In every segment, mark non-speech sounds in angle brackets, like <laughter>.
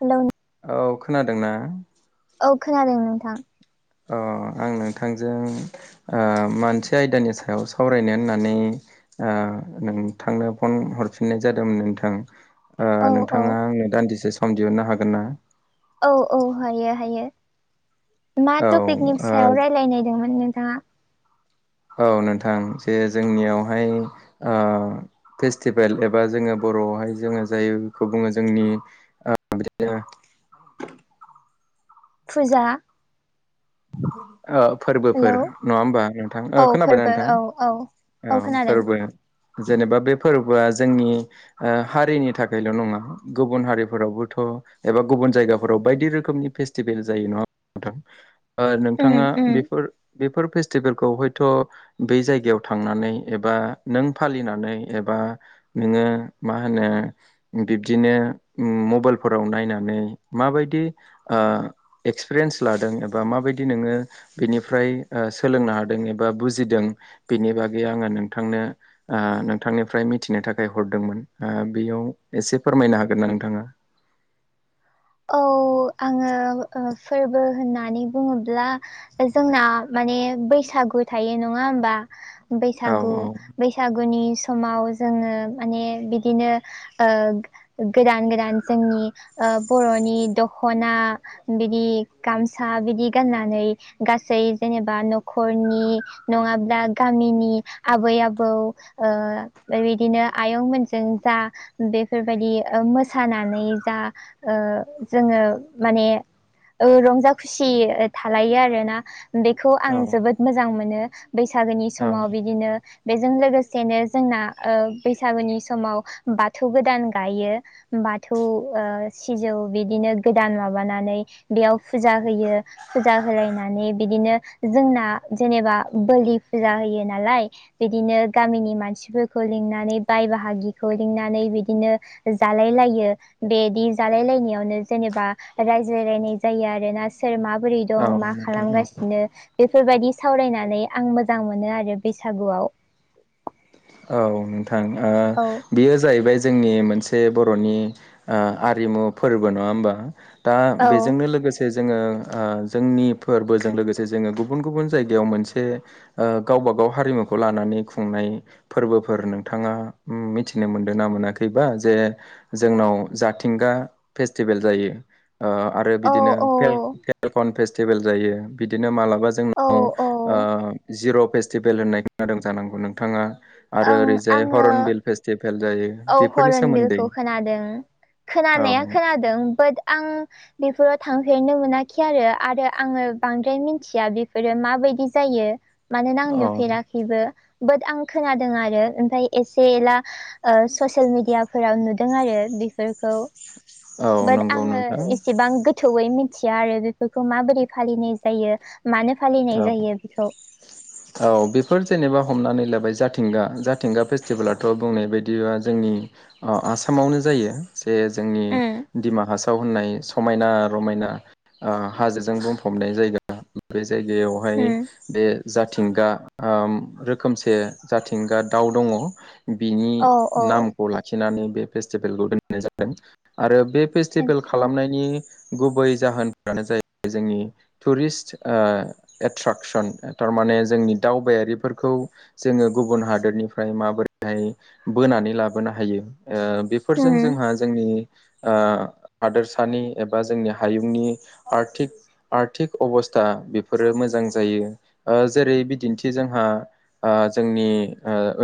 Hello नोंथां। औ खोनादोंना? औ खोनादों नोंथां। अ आं नोंथांजों ओ मोनसे आयदानि सायाव सावरायनो होननानै ओ नोंथांनो फन हरफिननाय जादोंमोन नोंथां। औ ओ औ नोंथाङा आंनो दान्दिसे सम दिहुननो हागोन ना? औ औ हायो हायो मा औ टपिकनि ओ सायाव रायलायनायदोंमोन नोंथाङा? औ नोंथां। जे जोंनियावहाय ओ फेस्टिभेल एबा जोङो बर'आवहाय जोङो जायखौ बुङो जोंनि बिदिनो फुजा <unintelligible> ओ हेलौ फोरबोफोर नङा होमबा नोंथां ओ औ खोनाबायना फोरबो औ औ नोंथां। औ फोरबो। जेनेबा बे फोरबोफोरा जोंनि ओ हारिनि थाखायल' नङा गुबुन हारिफोरावबोथ' एबा गुबुन जायगाफोराव बायदि रोखोमनि फेस्टिभेल जायो नङा होमबा नोंथां। ओ उम नोंथाङा उम बेफोर बेफोर फेस्टिभेलखौ हयथ' बै जायगायाव थांनानै एबा नों फालिनानै एबा नोङो मा होनो। बिब्दिनो उम मबाइलफोराव नायनानै माबायदि ओ एक्सपिरियेन्स लादों बा माबायदि नोङो बेनिफ्राय ओ सोलोंनो हादों एबा बुजिदों बिनि बागै आङो नोंथांनो ओ नोंथांनिफ्राय मिथिनो थाखाय हरदोंमोन। ओ बेयाव एसे फोरमायनो हागोन ना नोंथाङा। औ आङो फोरबो ओ होननानै बुङोब्ला। जोंना माने बैसागु थायो नङा होमबा औ बैसागु। औ बैसागुनि समाव जोङो माने बिदिनो ओ गोदान गोदान जोंनि ओ बर'नि दखना बिदि गामसा बिदि गाननानै गासै जेनेबा न'खरनि नङाब्ला गामिनि आबै आबौ। ओ बेबायदिनो आयंमोनजों जा बेफोरबायदि ओं मोसानानै जा ओ जोङो माने ओ रंजा खुसि थालायो आरोना बेखौ आं औ जोबोद मोजां मोनो। बैसागोनि औ समाव बिदिनो बेजों लोगोसेनो जोंना ओ बैसागुनि समाव बाथौ गोदान गायो। बाथौ ओ। सिजौ बिदिनो गोदान माबानानै बेयाव फुजा होयो। फुजा होलायनानै बिदिनो जोंना जेनेबा बोलि फुजा होयो नालाय। बिदिनो गामिनि मानसिफोरखौ लिंनानै बाय बाहागिखौ लिंनानै बिदिनो। जालायलायो बेदि जालाय लायनायावनो जेनेबा रायज्लायलायनाय जायो आरोना सोर माबोरै औ दं मा नोंथां औ खालामगासिनो बेफोरबायदि सावरायनानै आं मोजां मोनो आरो बैसागुआव औ नोंथां ओ औ बेयो जाहैबाय जोंनि मोनसे बर'नि ओ आरिमु फोरबो नङा होमबा दा औ बेजोंनो लोगोसे जोङो जोंनि फोरबोजों लोगोसे जोङो गुबुन गुबुन जायगायाव मोनसे गावबा गाव हारिमुखौ लानानै खुंनाय फोरबोफोर नोंथाङा ओम मिथिनो मोनदों ना मोनाखैबा जे जोंनाव जाथिंगा फेस्टिभेल जायो ओ आरो औ बिदिनो औ पेलकन फेस्टिभेल जायो बिदिनो मालाबा औ जोंनाव औ ओ जिर' फेस्टिभेल होननाय खोनादों जानांगौ नोंथाङा आरो ओं ओरैजाय आङो हरनबिल फेस्टिभेल जायो औ बेफोरनि हरन सोमोन्दै बिलखौ खोनादों औ खोनानाया खोनादों बाट आं बेफोराव थांफेरनो मोनाखै आरो आरो आङो बांद्राय मिथिया बेफोरो माबायदि जायो मानोना आं औ नुफेराखैबो बट आं खोनादों आरो ओमफ्राय एसे एला ओ ससियेल मेडियाफोराव नुदों आरो बेफोरखौ औ बाट नंगौ आङो नोंथां एसेबां गो थौयै मिथिया आरो बेफोरखौ माबोरै फालिनाय जायो मानो औ फालिनाय जायो बेखौ <inaudible> औ बेफोर जेनेबा हमनानै लाबाय जाथिंगा जाथिंगा फेस्टिभेलाथ' बुंनाय बायदिबा जोंनि अ आसामावनो जायो जे जोंनि उम दिमा हासाव होननाय समायना रमायना ओ हाजोजों बुंफबनाय जायगा बे जायगायावहाय उम बे जाथिंगा ओम रोखोमसे जाथिंगा दाउ दङ बिनि औ औ नामखौ लाखिनानै बे फेस्टिभेलखौ दोननाय जादों आरो बे फेस्टिभेल आतसा खालामनायनि गुबै जाहोनफ्रानो जाहैबाय जोंनि टुरिस्ट एट्राकसन थारमाने जोंनि दावबायारिफोरखौ जोङो गुबुन हादोरनिफ्राय माबोरैहाय बोनानै लाबोनो हायो ओ बेफोरजों उम जोंहा जोंनि ओ हादोरसानि एबा जोंनि हायुंनि आर्थिक आर्थिक अबसथा बेफोरो मोजां जायो ओ जेरै बिदिनथि जोंहा जोंनि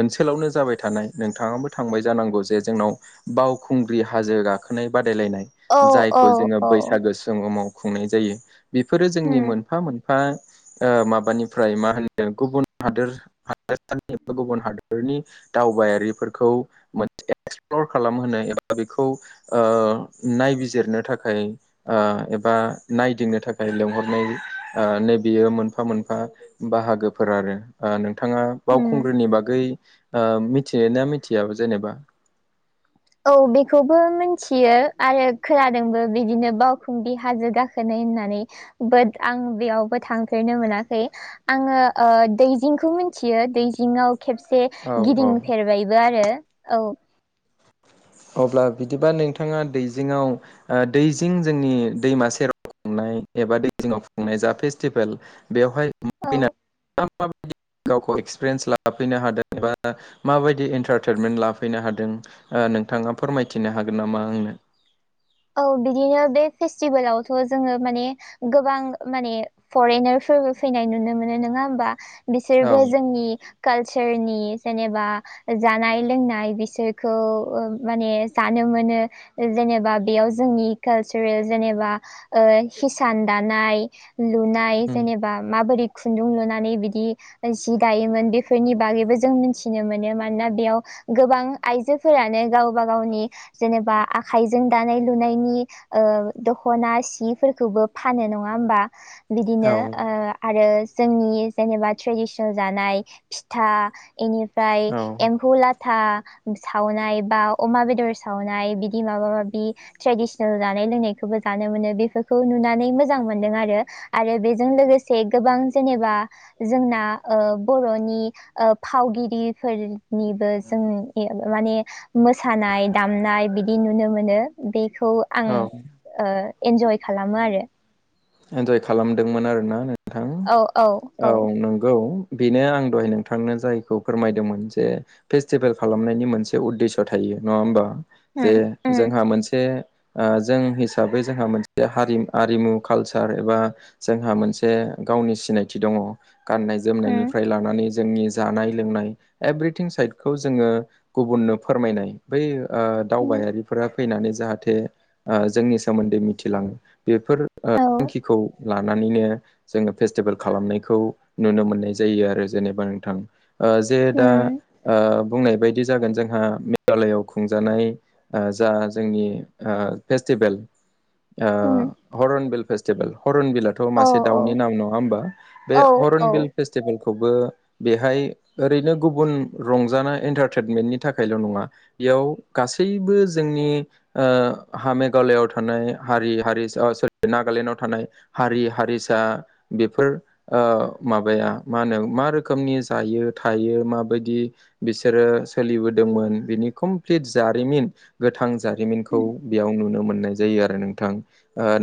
ओनसोलावनो जाबाय थानाय नोंथाङाबो थांबाय जानांगौ जे जोंनाव बावखुंग्रि हाजो गाखोनाय बादायलायनाय औ औ जायखौ जोङो औ बैसागो गोहोमाव खुंनाय जायो बेफोरो जोंनि उम मोनफा मोनफा माबानिफ्राय मा होनो गुबुन हादोर <unintelligible> गुबुन हादरनि दावबायारिफोरखौ मोनसे एक्सप्लर खालामहोनो एबा बेखौ ओ नायबिजिरनो थाखाय एबा नायदिंनो थाखाय लेंंहरनाय नै बियो मोनफा मोनफा बाहागोफोर आरो नोंथाङा उम बावखुंग्रिनि बागै मिथियो ना मिथिया जेनेबा औ बेखौबो मिथियो आरो खोनादोंबो बिदिनो बावखुंग्रि हाजो गाखो नाय होननानै बाद आं बेयावबो थांफेरनो मोनाखै आङो दैजिंखौ मिथियो दैजिंआव खेबसे औ औ गिदिंफेरबायबो आरो औ अब्ला बिदिबा नोंथाङा दैजिङाव दैजिं जोंनि दैमा सेराव एबा दै जिङाव खुंनाय जा फेस्टिभेल बेवहाय औ फैनानै माबायदि गावखौ एक्सपिरियेन्स लाफैनो हादों एबा माबायदि एन्टारटइमेन्ट लाफैनो हादों ओ नोंथाङा फोरमायथिनो हागोन नामा आंनो औ बिदिनो बे फेस्टिभेलावथ' जोङो माने गोबां माने फरेनारफोरबो फैनाय नुनो मोनो नङा होमबा औ बिसोरबो जोंनि कालचारनि जेनेबा जानाय लोंनाय बिसोरखौ माने जानो मोनो जेनेबा बेयाव जोंनि कालसारेल जेनेबा हिसान दानाय लुनाय उम जेनेबा माबोरै खुन्दुं लुनानै बिदि जि दायोमोन बेफोरनि बागैबो जों मिथिनो मोनो मानोना बेयाव गोबां आइजोफोरानो गावबा गावनि जेनेबा आखाइजों दानाय लुनायनि ओ दखना सिफोरखौबो फानो नङा होमबा बिदिनो औ ओ आरो जोंनि जेनेबा ट्रेडिसनेल जानाय फिथा एनिफ्राय औ एम्फुलाथा था सावनाय बा अमा बेदर सावनाय बिदि माबा माबि बिदि ट्रेडिसनेल जानाय लोंनायखौबो जानो मोनो बेफोरखौ नुनानै मोजां मोनदों आरो आरो बेजों लोगोसे गोबां जेनेबा जोंना ओ बर'नि ओ फावगिरिफोरनिबो जों माने मोसानाय दामनाय बिदि नुनो मोनो बेखौ आं औ ओ इन्जय खालामो आरो इन्जय खालामदोंमोन आरो ना नोंथां औ नंगौ बेनो आं दहाय नोंथांनो जायखौ फोरमायदोंमोन जे फेस्टिभेल खालामनायनि मोनसे उद्देश' थायो नङा होमबा जे उम उम जोंहा मोनसे जों हिसाबै जोंहा मोनसे हारि आरिमु कालचार एबा जोंहा मोनसे गावनि सिनायथि दङ गाननाय उम जोमनायनिफ्राय लानानै जोंनि जानाय लोंनाय एभ्रिथिं साइडखौ जोङो गुबुननो फोरमायनाय बै ओ उम दावबायारिफोरा फैनानै जाहाथे जोंनि सोमोन्दै मिथिलाङो बेफोर औ थांखिखौ लानानैनो जोङो फेस्टिभेल खालामनायखौ नुनो मोननाय जायो आरो जेनेबा नोंथां ओ जे दा उम ओ बुंनाय बायदि जागोन जोंहा मेघालआव खुंजानाय जा जोंनि फेस्टिभेल ओ उम हरन बिल फेस्टिभेल हरन बिल थ' औ मासे औ दाउनि नाम नङा होमबा बे औ हरन औ बिल फेस्टिभेलखौबो बेहाय ओरैनो गुबुन रंजानाय एन्टारटेनमेन्टनि थाखायल' नङा बेयाव गासैबो जोंनि ओ हा मेघालआव थानाय हारि हारिसा नागालेण्डआव थानाय हारि हारिसा बेफोर ओ माबाया मा होनो मा रोखोमनि जायो थायो माबायदि बिसोरो सोलिबोदोंमोन बिनि कमप्लिट जारिमिन गोथां जारिमनखौ उम नुनो मोननाय जायो आरो नोंथां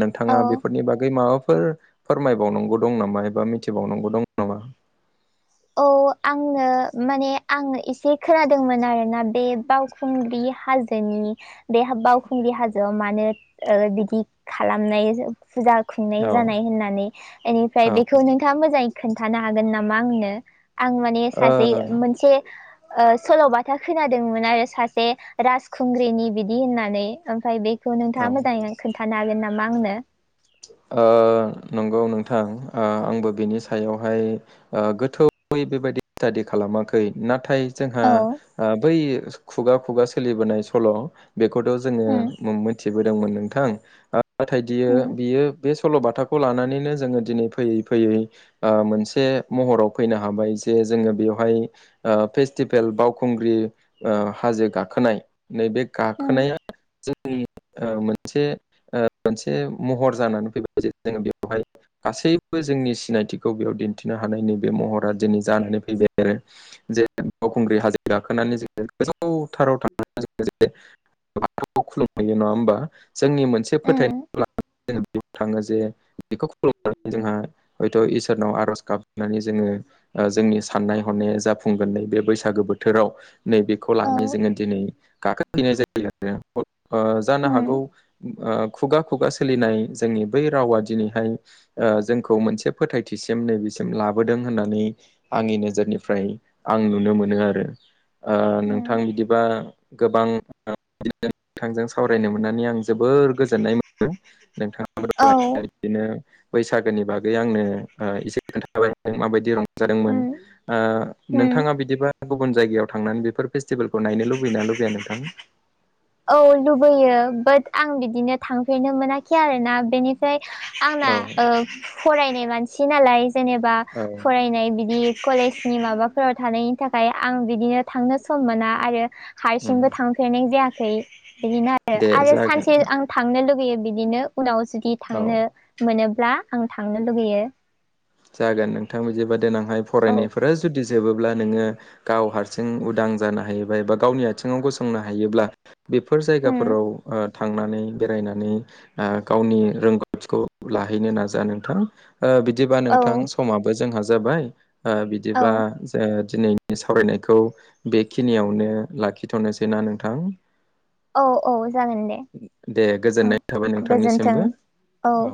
नोंथाङा औ बेफोरनि बागै माबाफोर फोरमायबावनांगौ दं नामा एबा मिथिबावनांगौ दं नामा औ आंनो माने आं एसे खोनादोंमोन आरोना बे बावखौ खुंग्रि हाजोनि बे बावखुंग्रि हाजोआव मानो बिदि खालामनाय फुजा औ खुंनाय जानाय होननानै एनिफ्राय औ बेखौ नोंथाङा मोजाङै खोन्थानो हागोन नामा आंनो आं ने सासे ओ मोनसे ओ सल'बाथा खोनादोंमोन आरो ओ सासे राजखुंग्रिनि बिदि होननानै ओमफ्राय बे बेखौ नोंथाङा औ मोजाङै खोनन्थानो हागोन नामा आंनो ओ नंगौ नोंथां ओ आंबो बिनि सायावहाय ओ गोथौयै बेबायदि स्टादि खालामाखै नाथाय जोंहा औ बै खुगा खुगा सोलिबोनाय सल' बेखौथ' उम जोङो मिथिबोदोंमोन नोंथां नाथाय बियो उम बियो बे सल'बाथाखौ लानानैनो जोङो दिनै फैयै फैयै ओ मोनसे महराव फैनो हाबाय जे जोङो बेवहाय ओ फेस्टिभेल बावखुंग्रि ओ हाजो गाखोनाय नैबे उम गाखोनाया जोंनि ओ मोनसे ओ मोनसे महर जानानै फैबाय जे जोङो बेवहाय गासैबो जोंनि सिनायथिखौ बेयाव दिन्थिनो हानायनि नै बेे महरा दिनै जानानै फैबाय आरो जे बावखुंग्रि हाजो गाखोनानै जोङो गोजौथाराव थांनानै जोङो जे बाथौ खुलुमहैयो नङा होमबा जोंनि मोनसे फोथायनाय उम थाङो जे बेखौ खुलुमनानै जोंहा हयथ' इसोरनाव आर'ज गाबनानै जोङो ओ जोंनि साननाय हनाया जाफुंगोननि बे बैसागो बोथोराव नैबेखौ औ लानानै जोङो दिनै गाखो हैनाय जायो <unintelligible> ओ जानो उम हागौ ओ खुगा खुगा सोलिनाय जोंनि बै रावा दिनैहाय ओ जोंखौ मोनसे फोथायथिसिम नैबेसिम लाबोदों होननानै आंनि नोजोरनिफ्राय आं नुनो मोनो आरो ओ उम नोंथां बिदिबा गोबां <unintelligible> नोंथांजों सावरायनो मोननानै आं जोबोर गोजोननाय मोनदों नोंथां औ बिदिनो बैसागोनि बागै आंनो एसे खोन्थाबाय माबायदि उम रंजादोंमोन ओ उम नोंथाङा बिदिबा गुबुन जायगायाव थांनानै बेफोर फेस्टिभेलखौ नायनो लुबैना लुबैया नोंथां औ लुबैयो बाट आं बिदिनो थांफेरनो मोनाखै आरोना बेनि फ्राय आंना औ फरायनाय मानसि नालाय जेनेबा औ फरायनाय बिदि कलेजनि माबाफोराव थानायनि थाखाय आं बिदिनो थांनो सम मोना आरो उम हारसिंबो थांफेरनाय जायाखै बिदिनो आरो दे आरो जागोन सानसे आं थांनो लुगैयो बिदिनो उनाव जुदि औ थांनो मोनोब्ला आं थांनो लुगैयो जागोन नोंथां बिदिबा देनांहाय औ फरायनायफोरा जुदि जोबोब्ला नोङो गाव हारसिं उदां जानो हायोबा एबा गावनि आथिङाव गसंनो हायोब्ला बेफोर उम जायगाफोराव ओ थांनानै बेरायनानै ओ गावनि रोंगौथिखौ लाहैनो नाजा नोंथां बिदिबा औ नोंथां समाबो जोंहा जाबाय ओ औ बिदिबा दिनै आंनि सावरायनायखौ बेखिनियावनो लाखिथ'नोसै ना नोंथां औ औ जागोन दे दे औ गोजोननाय थाबाय गोजोन्थों नोंथांनिसिमबो औ